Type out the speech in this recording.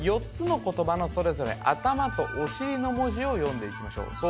４つの言葉のそれぞれ頭とお尻の文字を読んでいきましょう